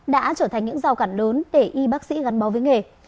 đã trở thành những giao cản lớn để y bác sĩ gắn bó với nghề